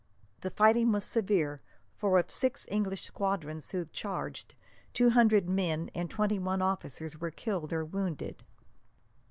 The fighting was severe, for of the six English squadrons who charged, two hundred men and twenty one officers were killed or wounded.